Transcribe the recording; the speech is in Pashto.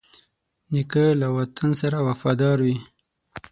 نیکه له وطن سره وفادار وي.